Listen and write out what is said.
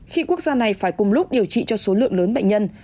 khi quốc gia này phải cùng lúc điều trị cho số lượng lớn bệnh nhân